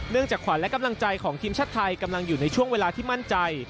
จากขวัญและกำลังใจของทีมชาติไทยกำลังอยู่ในช่วงเวลาที่มั่นใจ